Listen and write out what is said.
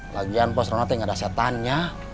lagian posronat yang ada setannya